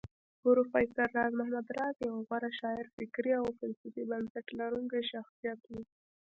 پروفېسر راز محمد راز يو غوره شاعر فکري او فلسفي بنسټ لرونکی شخصيت و